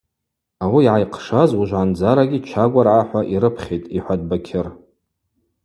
Ауи йгӏайхъшаз уыжвгӏандзарагьи Чагваргӏа-хӏва йрыпхьитӏ, – йхӏватӏ Бакьыр.